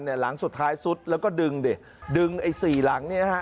หลังสุดท้ายซุดแล้วก็ดึงดิดึงไอ้สี่หลังเนี่ยฮะ